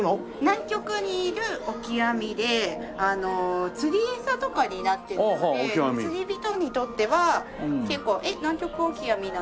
南極にいるオキアミで釣り餌とかになってるので釣り人にとっては結構「ナンキョクオキアミなんて」